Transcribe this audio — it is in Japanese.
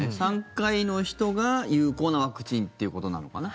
３回の人が有効なワクチンっていうことなのかな。